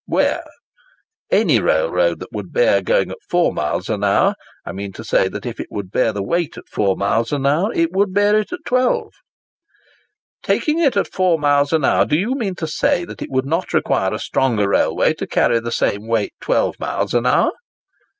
—"Where?" "Any railroad that would bear going 4 miles an hour: I mean to say, that if it would bear the weight at 4 miles an hour, it would bear it at 12."—"Taking it at 4 miles an hour, do you mean to say that it would not require a stronger railway to carry the same weight 12 miles an hour?"